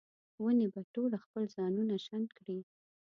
ونې به ټوله خپل ځانونه شنډ کړي